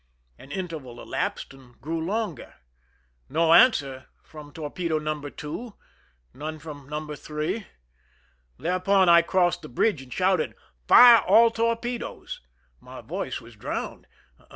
An interval elapsed and grew longer no answer from torpedo No. 2, none from No. 3. Thereupon I crossed the bridge and shouted :" Fire all torpedoes !" My voice was drowned.